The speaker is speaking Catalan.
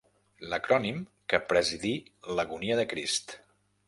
L'acrònim que presidí l'agonia de Crist.